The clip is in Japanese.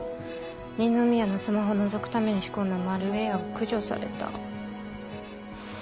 二宮のスマホのぞくために仕込んだマルウェアが駆除された。